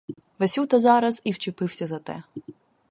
Васюта зараз і вчепився за те.